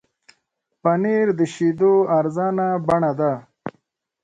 پنېر د شیدو ارزانه بڼه ده.